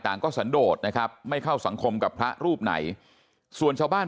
ก็สันโดดนะครับไม่เข้าสังคมกับพระรูปไหนส่วนชาวบ้าน